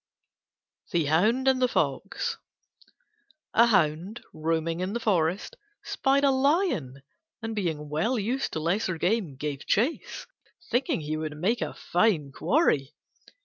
THE HOUND AND THE FOX A Hound, roaming in the forest, spied a lion, and being well used to lesser game, gave chase, thinking he would make a fine quarry.